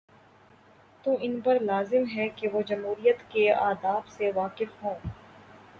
تو ان پرلازم ہے کہ وہ جمہوریت کے آداب سے واقف ہوں۔